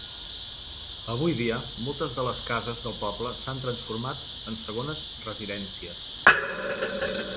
Avui dia moltes de les cases del poble s'han transformat en segones residències.